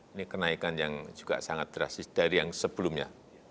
ini kenaikan yang juga sangat drastis dari yang sebelumnya